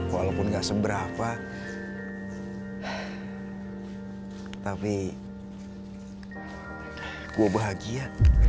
walaupun gak seberapa tapi gue bahagia